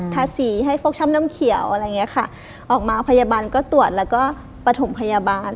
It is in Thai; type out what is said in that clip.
ทาสีให้ฟกช่ำน้ำเขียวอะไรอย่างเงี้ยค่ะออกมาพยาบาลก็ตรวจแล้วก็ปฐมพยาบาล